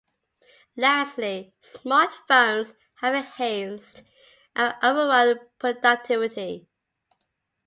Lastly, smartphones have enhanced our overall productivity.